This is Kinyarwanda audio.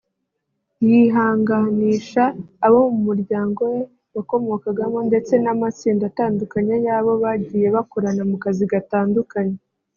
yihanganisha abo mu muryango we yakomokagamo ndetse n’amatsinda atandukanye y’abo bagiye bakorana mu kazi gatandukanye